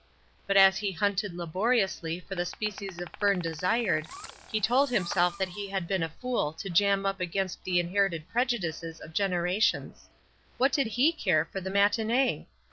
But as he hunted laboriously for the species of fern desired, he told himself that he had been a fool to jam up against the inherited prejudices of generations. What did he care for the matinee